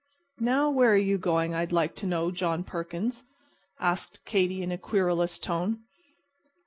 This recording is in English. "Now, where are you going, I'd like to know, John Perkins?" asked Katy, in a querulous tone.